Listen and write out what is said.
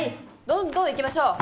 どんどんいきましょう！